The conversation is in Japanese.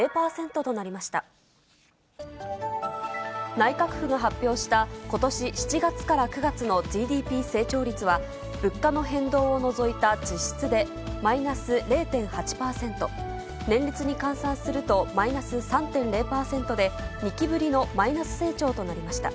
内閣府が発表したことし７月から９月のＧＤＰ成長率は、物価の変動を除いた実質でマイナス０．８％、年率に換算するとマイナス３．０％で、２期ぶりのマイナス成長となりました。